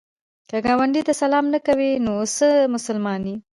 که ګاونډي ته سلام نه کوې، نو ته څه مسلمان یې؟